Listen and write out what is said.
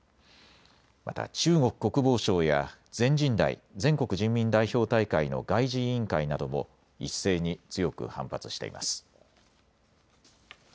また中国国防省や全人代・全国人民代表大会の外事委員会なども一斉に強く反発しています。